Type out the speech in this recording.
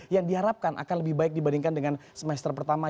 yang diharapkan akan lebih baik dibandingkan dengan semester pertama